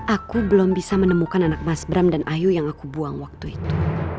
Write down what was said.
aku belum bisa menemukan anak mas bram dan ayu yang aku buang waktu itu